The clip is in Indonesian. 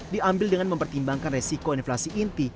diambil dengan mempertimbangkan resiko inflasi inti